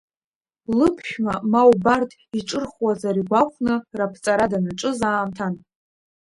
Лыԥшәма ма убарҭ, иҿырхуазар игәахәны, раԥҵара данаҿыз аамҭан.